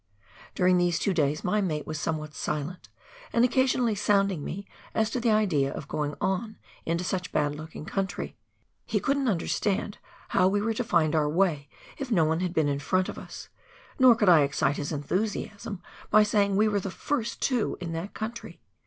During these two days my mate was somewhat silent, and occasionally sounding me as to the idea of going on into such bad looking country; be couldn't understand how we were to find our way if no one had been in front of us, nor could I excite his enthusiasm by saying we were the first two in that country.